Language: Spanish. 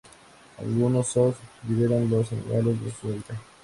Algunos zoos liberan los animales a sus hábitat.